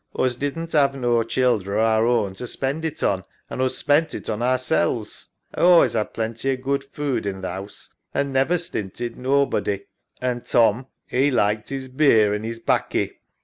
Us didn't 'ave no childer o' our own to spend it on, an' us spent it on ourselves. A allays 'ad a plenty o' good food in th' 'ouse an' never stinted nobody, an' Tom 'e liked 'is beer an' 'is baccy.